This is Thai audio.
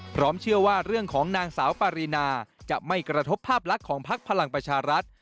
พร้อมเชื่อว่าเรื่องของนางสาวปารีนาจะไม่กระทบภาพลักษณ์ของพักพลังประชารัฐ